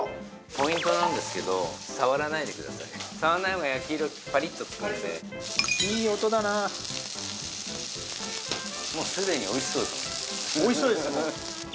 ポイントなんですけど触らないでください触んない方が焼き色パリッとつくんでいい音だなもう既においしそうですもんおいしそうですね